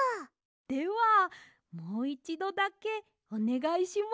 ではもういちどだけおねがいします！